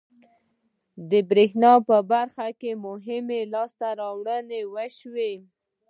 د بریښنا په برخه کې مهمې لاسته راوړنې وشوې.